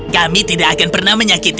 kami tidak akan pernah menyakiti